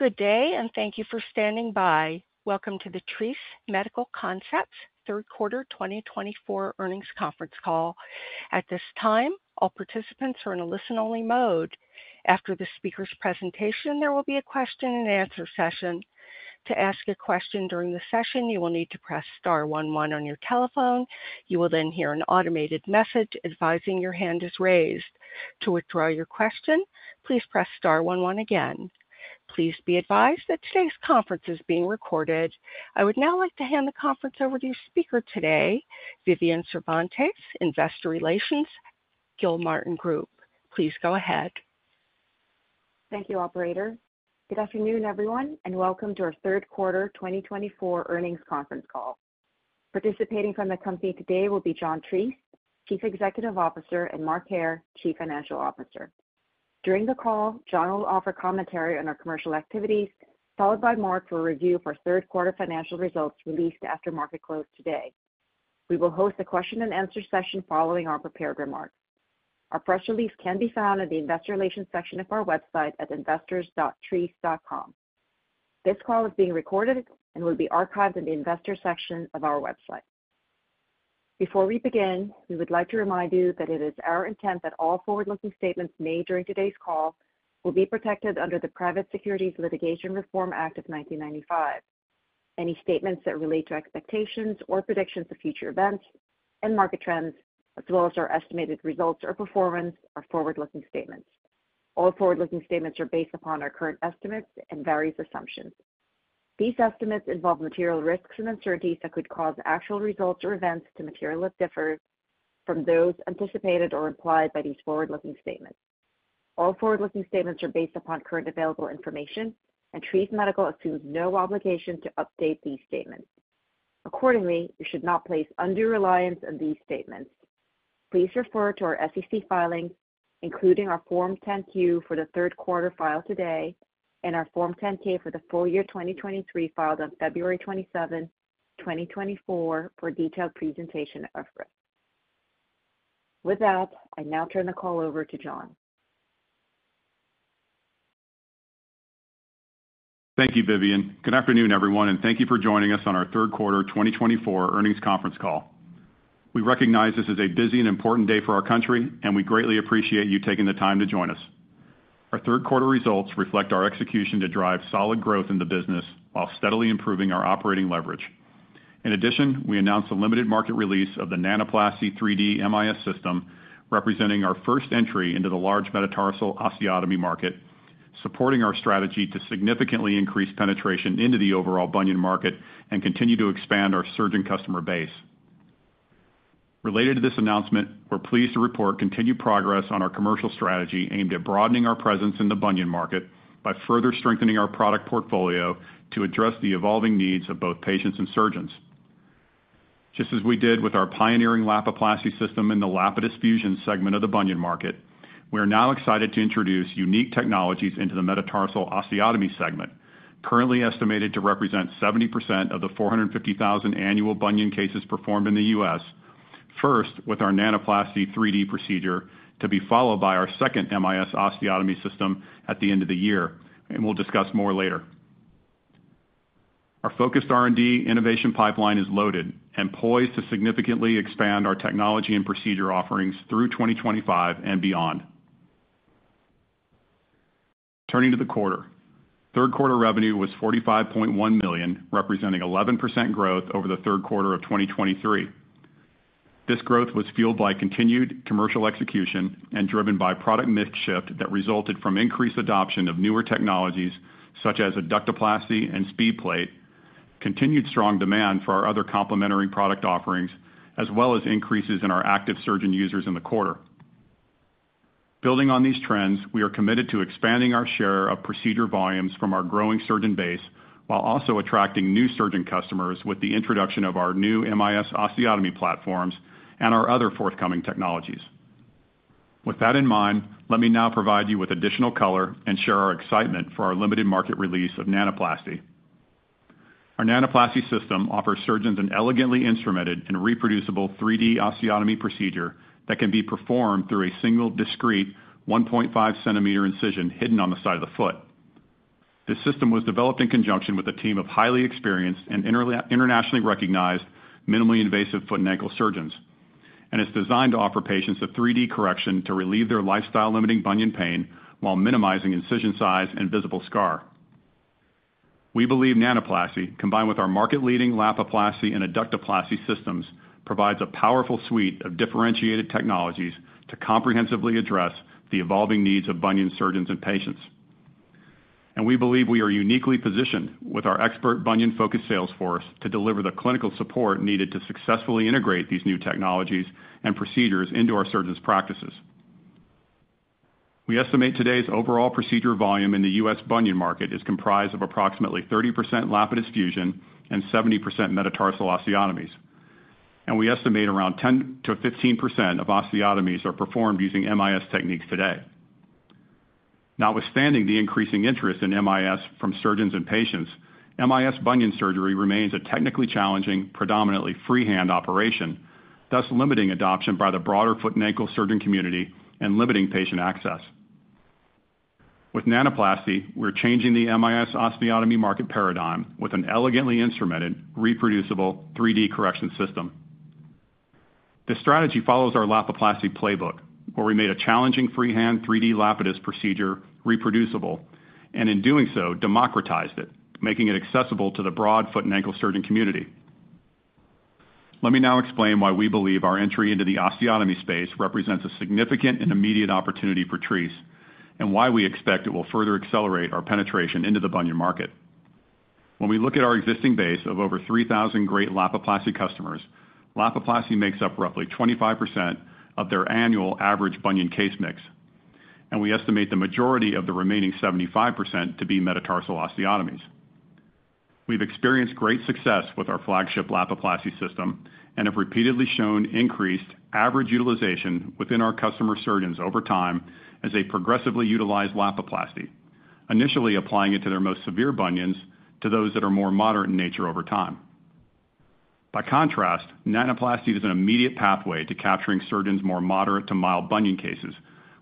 Good day, and thank you for standing by. Welcome to the Treace Medical Concepts, third quarter 2024 earnings conference call. At this time, all participants are in a listen-only mode. After the speaker's presentation, there will be a question-and-answer session. To ask a question during the session, you will need to press star 11 on your telephone. You will then hear an automated message advising your hand is raised. To withdraw your question, please press star 11 again. Please be advised that today's conference is being recorded. I would now like to hand the conference over to your speaker today, Vivian Cervantes, Investor Relations, Gilmartin Group. Please go ahead. Thank you, Operator. Good afternoon, everyone, and welcome to our third quarter 2024 earnings conference call. Participating from the company today will be John Treace, Chief Executive Officer, and Mark Hair, Chief Financial Officer. During the call, John will offer commentary on our commercial activities, followed by Mark for a review of our third quarter financial results released after market close today. We will host a question-and-answer session following our prepared remarks. Our press release can be found in the Investor Relations section of our website at investors.treace.com. This call is being recorded and will be archived in the Investor section of our website. Before we begin, we would like to remind you that it is our intent that all forward-looking statements made during today's call will be protected under the Private Securities Litigation Reform Act of 1995. Any statements that relate to expectations or predictions of future events and market trends, as well as our estimated results or performance, are forward-looking statements. All forward-looking statements are based upon our current estimates and various assumptions. These estimates involve material risks and uncertainties that could cause actual results or events to materially differ from those anticipated or implied by these forward-looking statements. All forward-looking statements are based upon current available information, and Treace Medical assumes no obligation to update these statements. Accordingly, you should not place undue reliance on these statements. Please refer to our SEC filings, including our Form 10-Q for the third quarter filed today and our Form 10-K for the full year 2023 filed on February 27, 2024, for a detailed presentation of risks. With that, I now turn the call over to John. Thank you, Vivian. Good afternoon, everyone, and thank you for joining us on our third quarter 2024 earnings conference call. We recognize this is a busy and important day for our country, and we greatly appreciate you taking the time to join us. Our third quarter results reflect our execution to drive solid growth in the business while steadily improving our operating leverage. In addition, we announced a limited market release of the Nanoplasty 3D MIS system, representing our first entry into the large metatarsal osteotomy market, supporting our strategy to significantly increase penetration into the overall bunion market and continue to expand our surgeon customer base. Related to this announcement, we're pleased to report continued progress on our commercial strategy aimed at broadening our presence in the bunion market by further strengthening our product portfolio to address the evolving needs of both patients and surgeons. Just as we did with our pioneering Lapiplasty system in the Lapidus fusion segment of the bunion market, we are now excited to introduce unique technologies into the metatarsal osteotomy segment, currently estimated to represent 70% of the 450,000 annual bunion cases performed in the U.S., first with our Nanoplasty 3D procedure, to be followed by our second MIS osteotomy system at the end of the year, and we'll discuss more later. Our focused R&D innovation pipeline is loaded and poised to significantly expand our technology and procedure offerings through 2025 and beyond. Turning to the quarter, third quarter revenue was $45.1 million, representing 11% growth over the third quarter of 2023. This growth was fueled by continued commercial execution and driven by product mix shift that resulted from increased adoption of newer technologies such as Adductoplasty and SpeedPlate, continued strong demand for our other complementary product offerings, as well as increases in our active surgeon users in the quarter. Building on these trends, we are committed to expanding our share of procedure volumes from our growing surgeon base while also attracting new surgeon customers with the introduction of our new MIS osteotomy platforms and our other forthcoming technologies. With that in mind, let me now provide you with additional color and share our excitement for our limited market release of Nanoplasty. Our Nanoplasty system offers surgeons an elegantly instrumented and reproducible 3D osteotomy procedure that can be performed through a single discrete 1.5 cm incision hidden on the side of the foot. This system was developed in conjunction with a team of highly experienced and internationally recognized minimally invasive foot and ankle surgeons and is designed to offer patients a 3D correction to relieve their lifestyle-limiting bunion pain while minimizing incision size and visible scar. We believe Nanoplasty, combined with our market-leading Lapiplasty and Adductoplasty systems, provides a powerful suite of differentiated technologies to comprehensively address the evolving needs of bunion surgeons and patients. And we believe we are uniquely positioned with our expert bunion-focused sales force to deliver the clinical support needed to successfully integrate these new technologies and procedures into our surgeons' practices. We estimate today's overall procedure volume in the U.S. bunion market is comprised of approximately 30% Lapidus fusion and 70% metatarsal osteotomies, and we estimate around 10%-15% of osteotomies are performed using MIS techniques today. Notwithstanding the increasing interest in MIS from surgeons and patients, MIS bunion surgery remains a technically challenging, predominantly freehand operation, thus limiting adoption by the broader foot and ankle surgeon community and limiting patient access. With Nanoplasty, we're changing the MIS osteotomy market paradigm with an elegantly instrumented, reproducible 3D correction system. The strategy follows our Lapiplasty playbook, where we made a challenging freehand 3D Lapidus procedure reproducible and, in doing so, democratized it, making it accessible to the broad foot and ankle surgeon community. Let me now explain why we believe our entry into the osteotomy space represents a significant and immediate opportunity for Treace and why we expect it will further accelerate our penetration into the bunion market. When we look at our existing base of over 3,000 great Lapiplasty customers, Lapiplasty makes up roughly 25% of their annual average bunion case mix, and we estimate the majority of the remaining 75% to be metatarsal osteotomies. We've experienced great success with our flagship Lapiplasty system and have repeatedly shown increased average utilization within our customer surgeons over time as they progressively utilize Lapiplasty, initially applying it to their most severe bunions to those that are more moderate in nature over time. By contrast, Nanoplasty is an immediate pathway to capturing surgeons' more moderate to mild bunion cases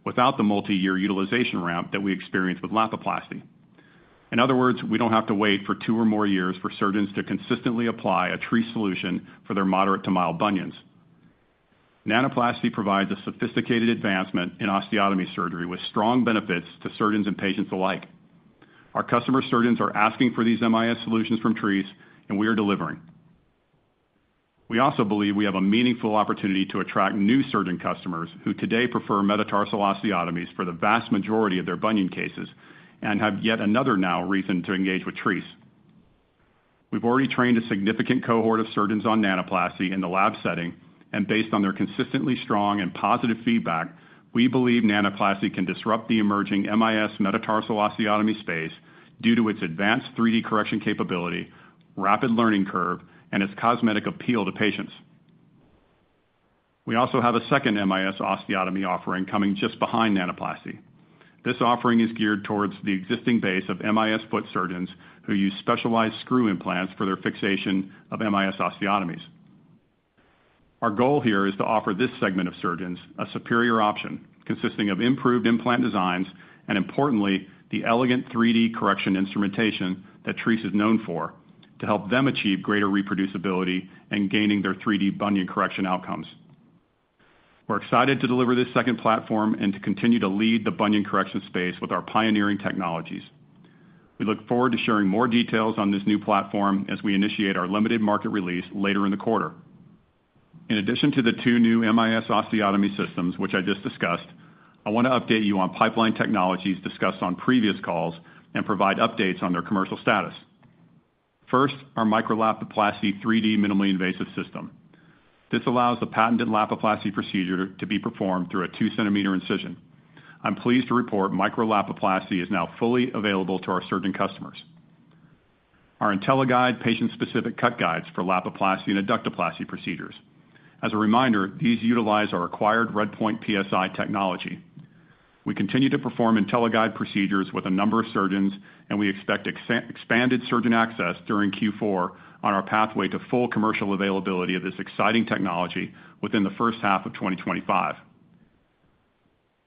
without the multi-year utilization ramp that we experience with Lapiplasty. In other words, we don't have to wait for two or more years for surgeons to consistently apply a Treace solution for their moderate to mild bunions. Nanoplasty provides a sophisticated advancement in osteotomy surgery with strong benefits to surgeons and patients alike. Our customer surgeons are asking for these MIS solutions from Treace, and we are delivering. We also believe we have a meaningful opportunity to attract new surgeon customers who today prefer metatarsal osteotomies for the vast majority of their bunion cases and have yet another reason now to engage with Treace. We've already trained a significant cohort of surgeons on Nanoplasty in the lab setting, and based on their consistently strong and positive feedback, we believe Nanoplasty can disrupt the emerging MIS metatarsal osteotomy space due to its advanced 3D correction capability, rapid learning curve, and its cosmetic appeal to patients. We also have a second MIS osteotomy offering coming just behind Nanoplasty. This offering is geared towards the existing base of MIS foot surgeons who use specialized screw implants for their fixation of MIS osteotomies. Our goal here is to offer this segment of surgeons a superior option consisting of improved implant designs and, importantly, the elegant 3D correction instrumentation that Treace is known for to help them achieve greater reproducibility in gaining their 3D bunion correction outcomes. We're excited to deliver this second platform and to continue to lead the bunion correction space with our pioneering technologies. We look forward to sharing more details on this new platform as we initiate our limited market release later in the quarter. In addition to the two new MIS osteotomy systems, which I just discussed, I want to update you on pipeline technologies discussed on previous calls and provide updates on their commercial status. First, our Micro-Lapiplasty 3D minimally invasive system. This allows the patented Lapiplasty procedure to be performed through a two-centimeter incision. I'm pleased to report Micro-Lapiplasty is now fully available to our surgeon customers. Our IntelliGuide patient-specific cut guides for Lapiplasty and Adductoplasty procedures. As a reminder, these utilize our acquired RedPoint PSI technology. We continue to perform IntelliGuide procedures with a number of surgeons, and we expect expanded surgeon access during Q4 on our pathway to full commercial availability of this exciting technology within the first half of 2025.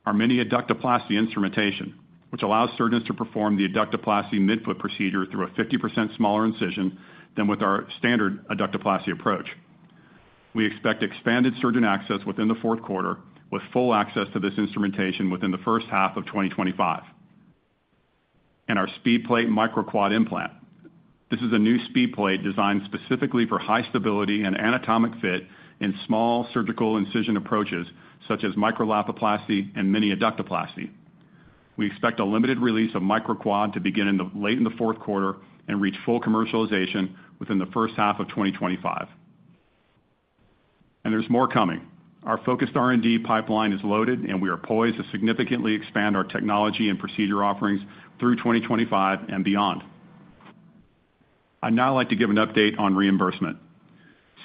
Our Mini-Adductoplasty instrumentation, which allows surgeons to perform the Adductoplasty midfoot procedure through a 50% smaller incision than with our standard Adductoplasty approach. We expect expanded surgeon access within the fourth quarter with full access to this instrumentation within the first half of 2025. And our SpeedPlate MicroQuad implant. This is a new SpeedPlate designed specifically for high stability and anatomic fit in small surgical incision approaches such as Micro-Lapiplasty and Mini-Adductoplasty. We expect a limited release of MicroQuad to begin in the late in the fourth quarter and reach full commercialization within the first half of 2025. And there's more coming. Our focused R&D pipeline is loaded, and we are poised to significantly expand our technology and procedure offerings through 2025 and beyond. I'd now like to give an update on reimbursement.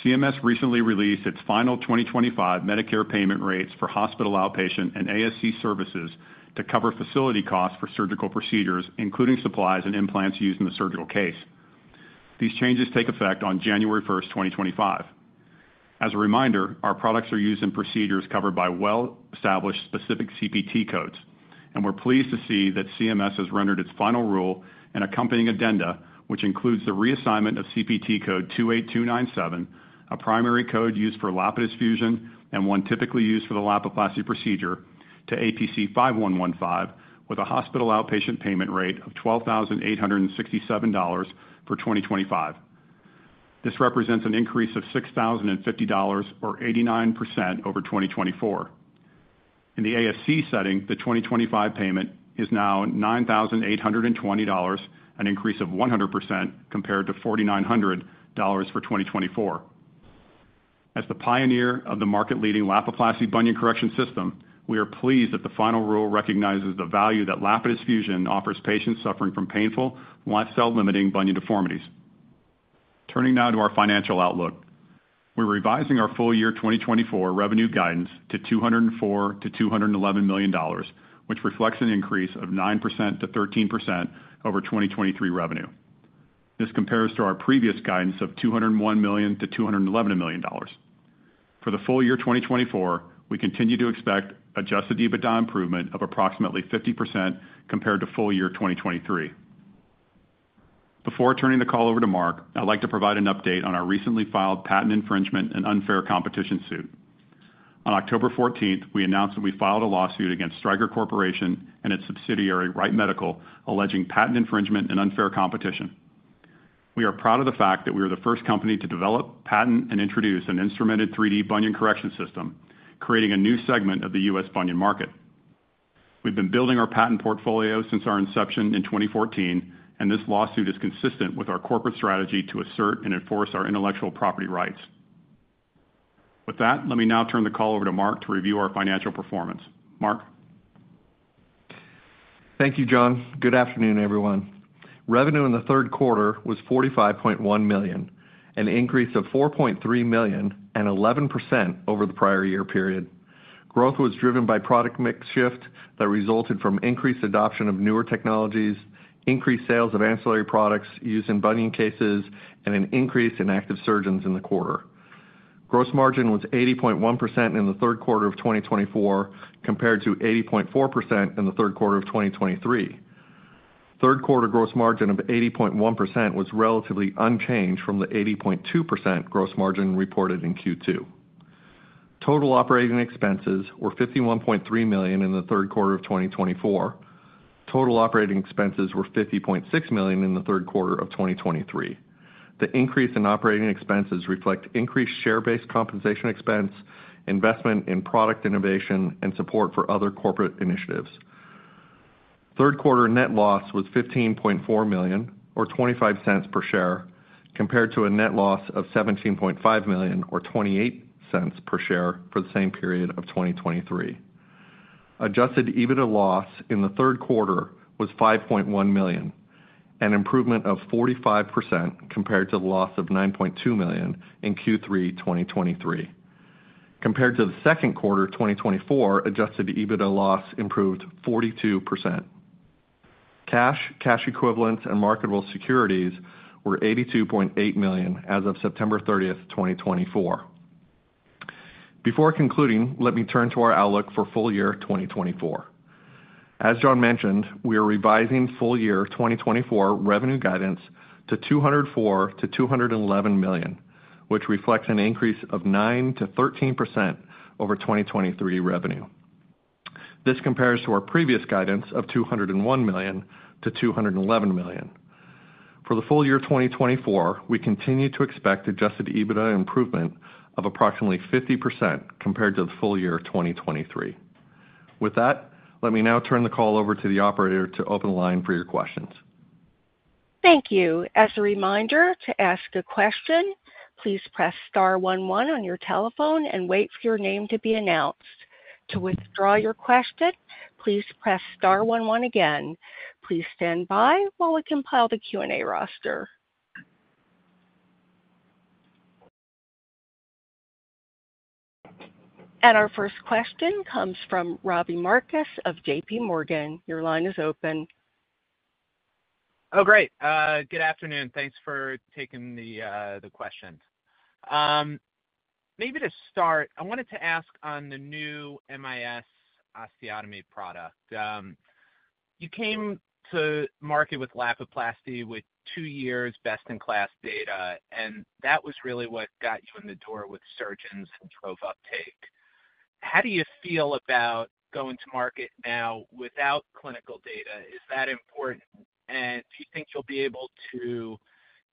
CMS recently released its final 2025 Medicare payment rates for hospital outpatient and ASC services to cover facility costs for surgical procedures, including supplies and implants used in the surgical case. These changes take effect on January 1, 2025. As a reminder, our products are used in procedures covered by well-established specific CPT codes, and we're pleased to see that CMS has rendered its final rule and accompanying addenda, which includes the reassignment of CPT code 28297, a primary code used for Lapidus fusion and one typically used for the Lapiplasty procedure, to APC 5115 with a hospital outpatient payment rate of $12,867 for 2025. This represents an increase of $6,050 or 89% over 2024. In the ASC setting, the 2025 payment is now $9,820, an increase of 100% compared to $4,900 for 2024. As the pioneer of the market-leading Lapiplasty bunion correction system, we are pleased that the final rule recognizes the value that Lapidus fusion offers patients suffering from painful, lifestyle-limiting bunion deformities. Turning now to our financial outlook, we're revising our full year 2024 revenue guidance to $204 to $211 million, which reflects an increase of 9% to13% over 2023 revenue. This compares to our previous guidance of $201 to $211 million. For the full year 2024, we continue to expect Adjusted EBITDA improvement of approximately 50% compared to full year 2023. Before turning the call over to Mark, I'd like to provide an update on our recently filed patent infringement and unfair competition suit. On October 14, we announced that we filed a lawsuit against Stryker Corporation and its subsidiary Wright Medical, alleging patent infringement and unfair competition. We are proud of the fact that we are the first company to develop, patent, and introduce an instrumented 3D bunion correction system, creating a new segment of the U.S. bunion market. We've been building our patent portfolio since our inception in 2014, and this lawsuit is consistent with our corporate strategy to assert and enforce our intellectual property rights. With that, let me now turn the call over to Mark to review our financial performance. Mark. Thank you, John. Good afternoon, everyone. Revenue in the third quarter was $45.1 million, an increase of $4.3 million and 11% over the prior year period. Growth was driven by product mix shift that resulted from increased adoption of newer technologies, increased sales of ancillary products used in bunion cases, and an increase in active surgeons in the quarter. Gross margin was 80.1% in the third quarter of 2024 compared to 80.4% in the third quarter of 2023. Third quarter gross margin of 80.1% was relatively unchanged from the 80.2% gross margin reported in Q2. Total operating expenses were $51.3 million in the third quarter of 2024. Total operating expenses were $50.6 million in the third quarter of 2023. The increase in operating expenses reflects increased share-based compensation expense, investment in product innovation, and support for other corporate initiatives. Third quarter net loss was $15.4 million, or $0.25 per share, compared to a net loss of $17.5 million, or $0.28 per share for the same period of 2023. Adjusted EBITDA loss in the third quarter was $5.1 million, an improvement of 45% compared to the loss of $9.2 million in Q3 2023. Compared to the second quarter of 2024, adjusted EBITDA loss improved 42%. Cash, cash equivalents, and marketable securities were $82.8 million as of September 30, 2024. Before concluding, let me turn to our outlook for full year 2024. As John mentioned, we are revising full year 2024 revenue guidance to $204-$211 million, which reflects an increase of 9%-13% over 2023 revenue. This compares to our previous guidance of $201-$211 million. For the full year 2024, we continue to expect Adjusted EBITDA improvement of approximately 50% compared to the full year 2023. With that, let me now turn the call over to the operator to open the line for your questions. Thank you. As a reminder, to ask a question, please press star 11 on your telephone and wait for your name to be announced. To withdraw your question, please press star 11 again. Please stand by while we compile the Q&A roster. And our first question comes from Robbie Marcus of J.P. Morgan. Your line is open. Oh, great. Good afternoon. Thanks for taking the question. Maybe to start, I wanted to ask on the new MIS osteotomy product. You came to market with Lapiplasty with two years' best-in-class data, and that was really what got you in the door with surgeons and adoption uptake. How do you feel about going to market now without clinical data? Is that important? And do you think you'll be able to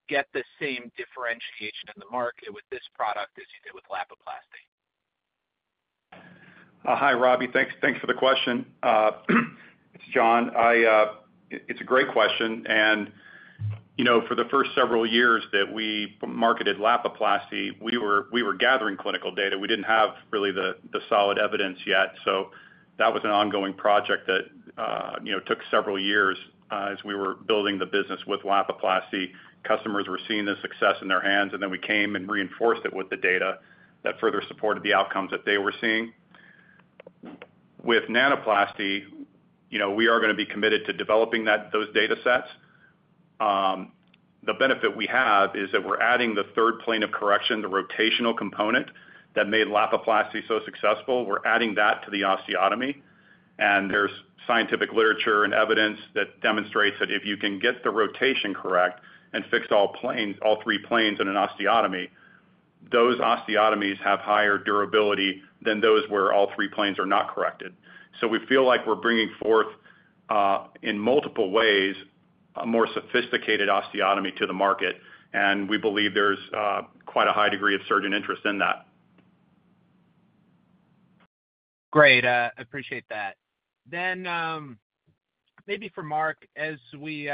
get the same differentiation in the market with this product as you did with Lapiplasty? Hi, Robbie. Thanks for the question. It's John. It's a great question. And for the first several years that we marketed Lapiplasty, we were gathering clinical data. We didn't have really the solid evidence yet. So that was an ongoing project that took several years as we were building the business with Lapiplasty. Customers were seeing the success in their hands, and then we came and reinforced it with the data that further supported the outcomes that they were seeing. With Nanoplasty, we are going to be committed to developing those data sets. The benefit we have is that we're adding the third plane of correction, the rotational component that made Lapiplasty so successful. We're adding that to the osteotomy. There's scientific literature and evidence that demonstrates that if you can get the rotation correct and fix all three planes in an osteotomy, those osteotomies have higher durability than those where all three planes are not corrected. So we feel like we're bringing forth, in multiple ways, a more sophisticated osteotomy to the market, and we believe there's quite a high degree of surgeon interest in that. Great. I appreciate that. Then maybe for Mark, as we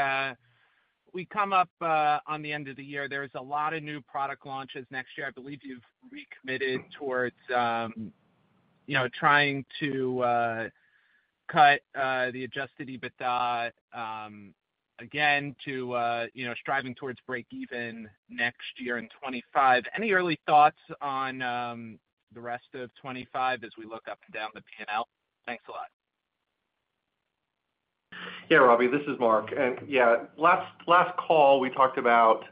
come up on the end of the year, there's a lot of new product launches next year. I believe you've recommitted towards trying to cut the Adjusted EBITDA again to striving towards break-even next year in 2025. Any early thoughts on the rest of 2025 as we look up and down the panel? Thanks a lot. Yeah, Robbie, this is Mark. And yeah, last call, we talked about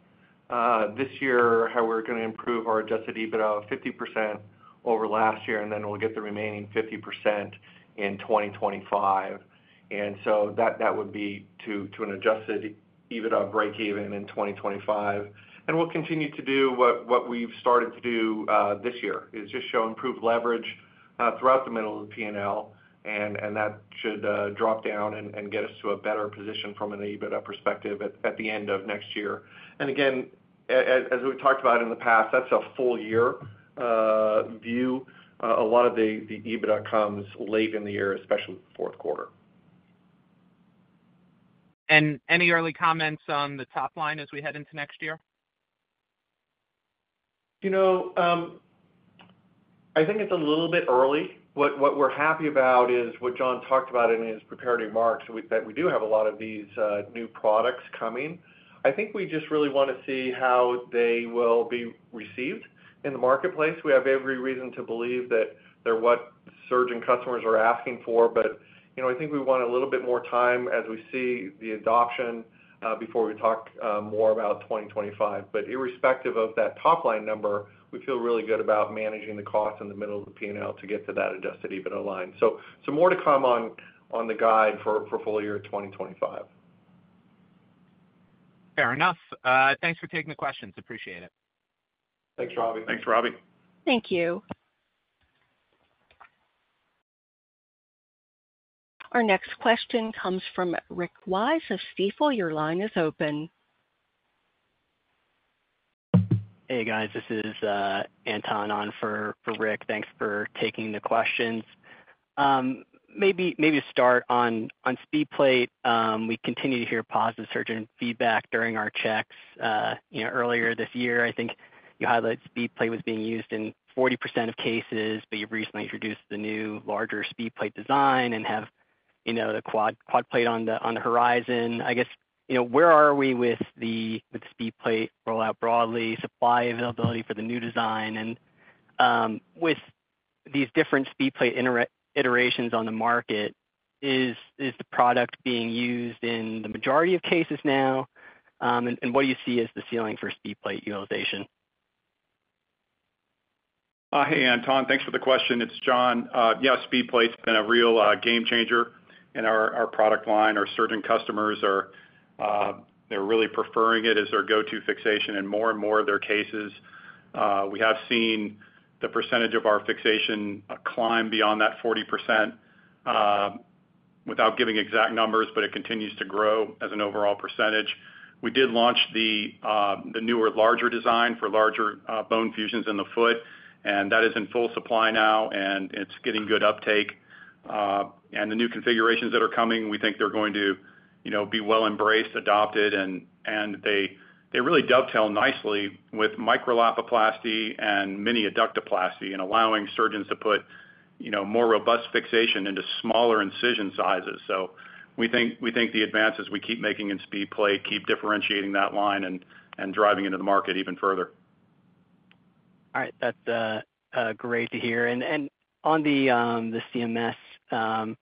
this year how we're going to improve our Adjusted EBITDA 50% over last year, and then we'll get the remaining 50% in 2025. And so that would be to an Adjusted EBITDA break-even in 2025. We'll continue to do what we've started to do this year, is just show improved leverage throughout the middle of the P&L, and that should drop down and get us to a better position from an EBITDA perspective at the end of next year. And again, as we've talked about in the past, that's a full-year view. A lot of the EBITDA comes late in the year, especially the fourth quarter. And any early comments on the top line as we head into next year? I think it's a little bit early. What we're happy about is what John talked about in his prepared remarks that we do have a lot of these new products coming. I think we just really want to see how they will be received in the marketplace. We have every reason to believe that they're what surgeon customers are asking for, but I think we want a little bit more time as we see the adoption before we talk more about 2025. But irrespective of that top line number, we feel really good about managing the cost in the middle of the P&L to get to that adjusted EBITDA line. So some more to come on the guide for full year 2025. Fair enough. Thanks for taking the questions. Appreciate it. Thanks, Robbie. Thanks, Robbie. Thank you. Our next question comes from Rick Wise of Stifel. Your line is open. Hey, guys. This is Anton on for Rick. Thanks for taking the questions. Maybe to start on SpeedPlate, we continue to hear positive surgeon feedback during our checks. Earlier this year, I think you highlighted SpeedPlate was being used in 40% of cases, but you've recently introduced the new larger SpeedPlate design and have the MicroQuad on the horizon. I guess, where are we with the SpeedPlate rollout broadly, supply availability for the new design? And with these different SpeedPlate iterations on the market, is the product being used in the majority of cases now? And what do you see as the ceiling for SpeedPlate utilization? Hey, Anton. Thanks for the question. It's John. Yeah, SpeedPlate's been a real game changer in our product line. Our surgeon customers, they're really preferring it as their go-to fixation in more and more of their cases. We have seen the percentage of our fixation climb beyond that 40% without giving exact numbers, but it continues to grow as an overall percentage. We did launch the newer larger design for larger bone fusions in the foot, and that is in full supply now, and it's getting good uptake. And the new configurations that are coming, we think they're going to be well embraced, adopted, and they really dovetail nicely with Micro-Lapiplasty and Mini-Adductoplasty and allowing surgeons to put more robust fixation into smaller incision sizes. So we think the advances we keep making in SpeedPlate keep differentiating that line and driving into the market even further. All right. That's great to hear. And on the CMS final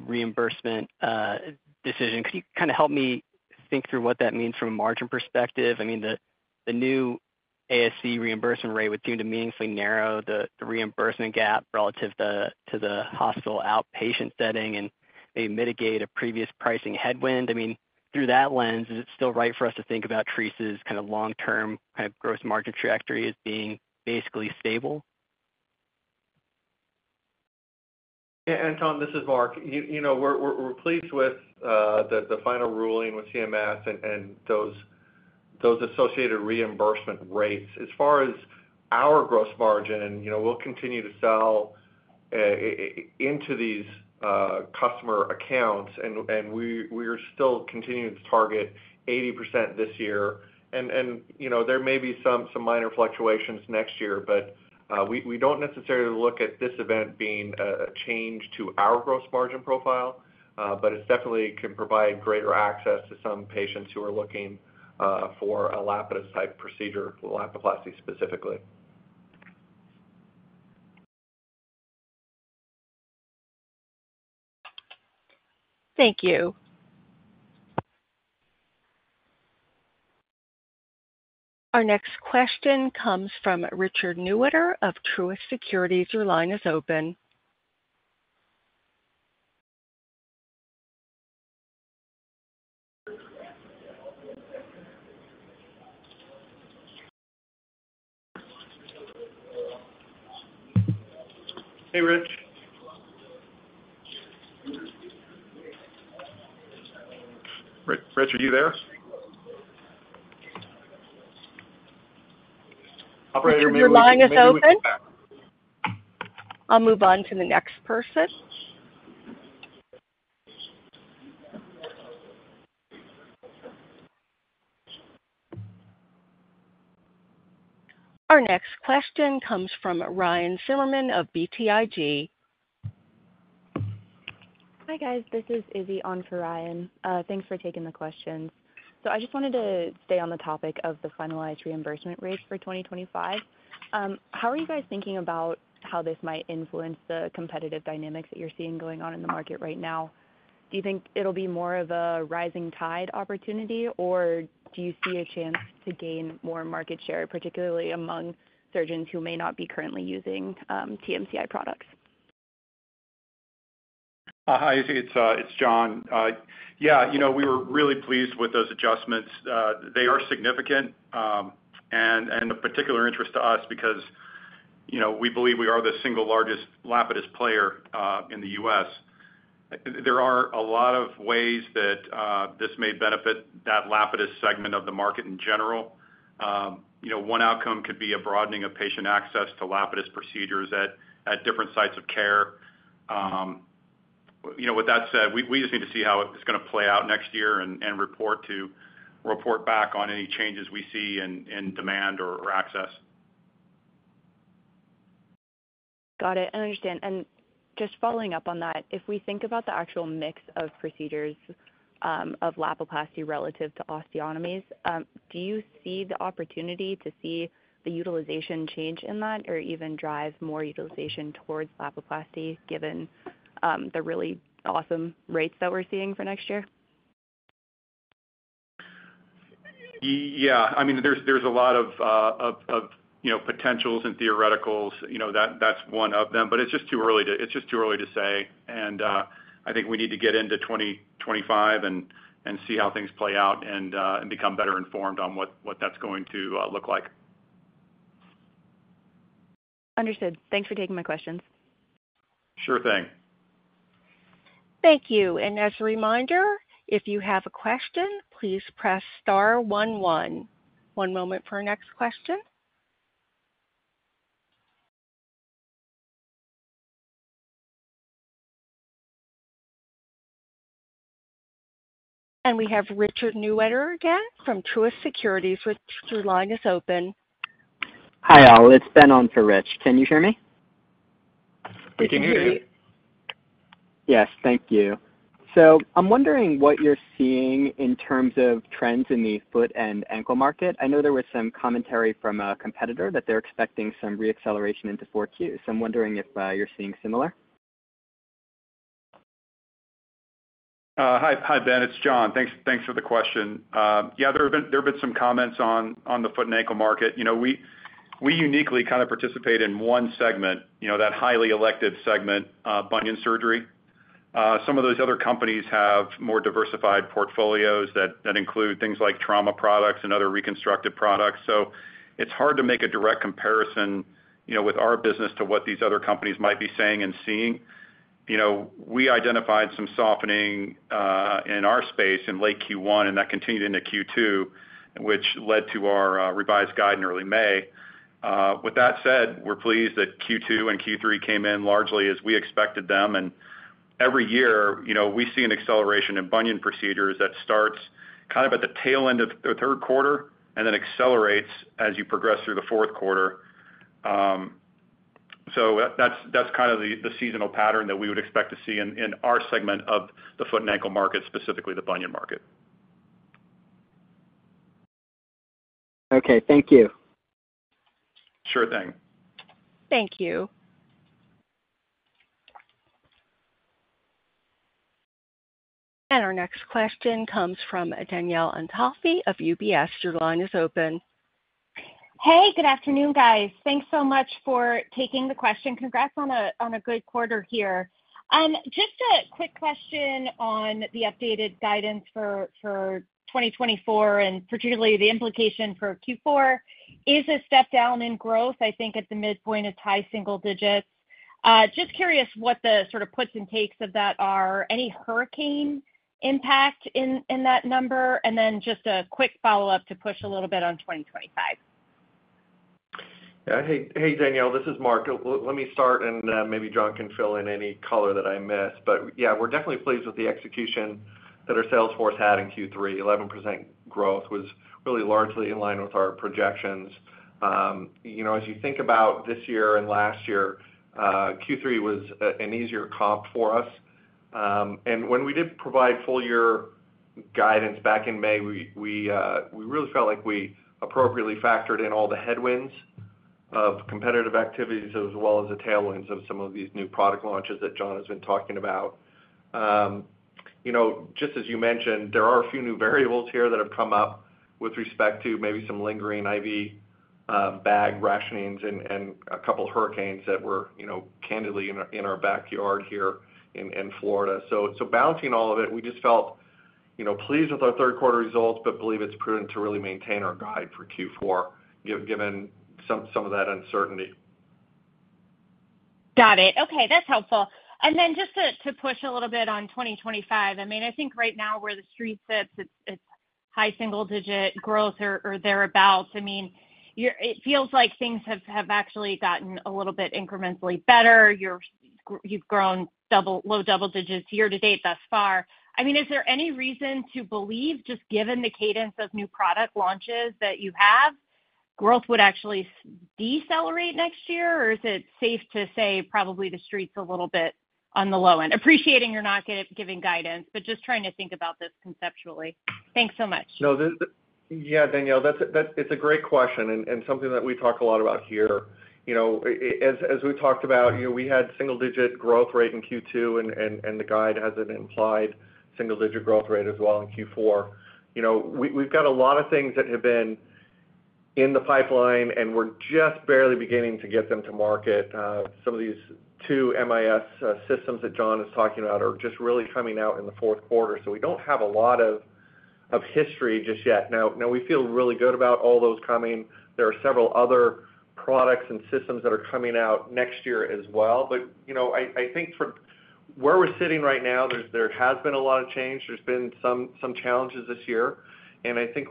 reimbursement decision, could you kind of help me think through what that means from a margin perspective? I mean, the new ASC reimbursement rate would seem to meaningfully narrow the reimbursement gap relative to the hospital outpatient setting and maybe mitigate a previous pricing headwind. I mean, through that lens, is it still right for us to think about Treace's kind of long-term kind of gross market trajectory as being basically stable? Yeah, Anton, this is Mark. We're pleased with the final ruling with CMS and those associated reimbursement rates. As far as our gross margin, we'll continue to sell into these customer accounts, and we are still continuing to target 80% this year. And there may be some minor fluctuations next year, but we don't necessarily look at this event being a change to our gross margin profile, but it definitely can provide greater access to some patients who are looking for a Lapidus-type procedure, Lapiplasty specifically. Thank you. Our next question comes from Richard Newitter of Truist Securities. Your line is open. Hey, Rich. Rich, are you there? Operator, maybe you're not. Your line is open. I'll move on to the next person. Our next question comes from Ryan Zimmerman of BTIG. Hi, guys. This is Izzy on for Ryan. Thanks for taking the questions. So I just wanted to stay on the topic of the finalized reimbursement rate for 2025. How are you guys thinking about how this might influence the competitive dynamics that you're seeing going on in the market right now? Do you think it'll be more of a rising tide opportunity, or do you see a chance to gain more market share, particularly among surgeons who may not be currently using TMCI products? Hi, Izzy. It's John. Yeah, we were really pleased with those adjustments. They are significant and of particular interest to us because we believe we are the single largest Lapidus player in the U.S. There are a lot of ways that this may benefit that Lapidus segment of the market in general. One outcome could be a broadening of patient access to Lapidus procedures at different sites of care. With that said, we just need to see how it's going to play out next year and report back on any changes we see in demand or access. Got it. I understand. And just following up on that, if we think about the actual mix of procedures of Lapiplasty relative to osteotomies, do you see the opportunity to see the utilization change in that or even drive more utilization towards Lapiplasty given the really awesome rates that we're seeing for next year? Yeah. I mean, there's a lot of potentials and theoreticals. That's one of them, but it's just too early to say. And I think we need to get into 2025 and see how things play out and become better informed on what that's going to look like. Understood. Thanks for taking my questions. Sure thing. Thank you. And as a reminder, if you have a question, please press star 11. One moment for our next question. And we have Richard Newitter again from Truist Securities with you. Your line is open. Hi, all. It's Ben on for Rich. Can you hear me? We can hear you. Yes. Thank you. So I'm wondering what you're seeing in terms of trends in the foot and ankle market. I know there was some commentary from a competitor that they're expecting some reacceleration into 4Q. So I'm wondering if you're seeing similar? Hi, Ben. It's John. Thanks for the question. Yeah, there have been some comments on the foot and ankle market. We uniquely kind of participate in one segment, that highly elective segment, bunion surgery. Some of those other companies have more diversified portfolios that include things like trauma products and other reconstructed products. So it's hard to make a direct comparison with our business to what these other companies might be saying and seeing. We identified some softening in our space in late Q1, and that continued into Q2, which led to our revised guide in early May. With that said, we're pleased that Q2 and Q3 came in largely as we expected them. And every year, we see an acceleration in bunion procedures that starts kind of at the tail end of the third quarter and then accelerates as you progress through the fourth quarter. So that's kind of the seasonal pattern that we would expect to see in our segment of the foot and ankle market, specifically the bunion market. Okay. Thank you. Sure thing. Thank you. And our next question comes from Danielle Antalffy of UBS. Your line is open. Hey, good afternoon, guys. Thanks so much for taking the question. Congrats on a good quarter here. Just a quick question on the updated guidance for 2024 and particularly the implication for Q4. It's a step down in growth. I think at the midpoint, it's high single digits. Just curious what the sort of puts and takes of that are. Any hurricane impact in that number? And then just a quick follow-up to push a little bit on 2025. Hey, Danielle, this is Mark. Let me start, and maybe John can fill in any color that I missed. But yeah, we're definitely pleased with the execution that our sales force had in Q3. 11% growth was really largely in line with our projections. As you think about this year and last year, Q3 was an easier comp for us. And when we did provide full-year guidance back in May, we really felt like we appropriately factored in all the headwinds of competitive activities as well as the tailwinds of some of these new product launches that John has been talking about. Just as you mentioned, there are a few new variables here that have come up with respect to maybe some lingering IV bag rationings and a couple of hurricanes that were candidly in our backyard here in Florida. So balancing all of it, we just felt pleased with our third-quarter results, but believe it's prudent to really maintain our guide for Q4 given some of that uncertainty. Got it. Okay. That's helpful. And then just to push a little bit on 2025, I mean, I think right now where the street sits, it's high single-digit growth or thereabouts. I mean, it feels like things have actually gotten a little bit incrementally better. You've grown low double digits year to date thus far. I mean, is there any reason to believe, just given the cadence of new product launches that you have, growth would actually decelerate next year? Or is it safe to say probably the street's a little bit on the low end? Appreciating you're not giving guidance, but just trying to think about this conceptually. Thanks so much. Yeah, Danielle, it's a great question and something that we talk a lot about here. As we talked about, we had single-digit growth rate in Q2, and the guide has an implied single-digit growth rate as well in Q4. We've got a lot of things that have been in the pipeline, and we're just barely beginning to get them to market. Some of these two MIS systems that John is talking about are just really coming out in the fourth quarter. So we don't have a lot of history just yet. Now, we feel really good about all those coming. There are several other products and systems that are coming out next year as well. But I think where we're sitting right now, there has been a lot of change. There's been some challenges this year. And I think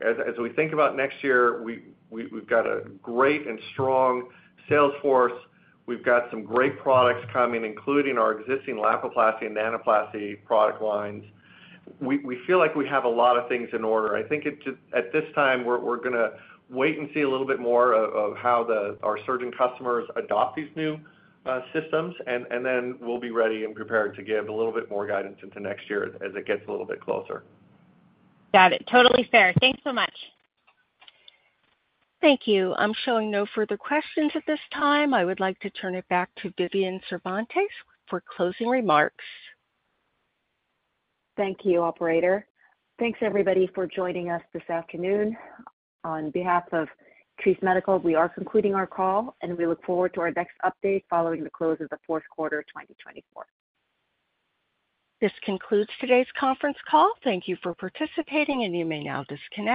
as we think about next year, we've got a great and strong sales force. We've got some great products coming, including our existing Lapiplasty and Nanoplasty product lines. We feel like we have a lot of things in order. I think at this time, we're going to wait and see a little bit more of how our surgeon customers adopt these new systems, and then we'll be ready and prepared to give a little bit more guidance into next year as it gets a little bit closer. Got it. Totally fair. Thanks so much. Thank you. I'm showing no further questions at this time. I would like to turn it back to Vivian Cervantes for closing remarks. Thank you, Operator. Thanks, everybody, for joining us this afternoon. On behalf of Treace Medical, we are concluding our call, and we look forward to our next update following the close of the fourth quarter of 2024. This concludes today's conference call. Thank you for participating, and you may now disconnect.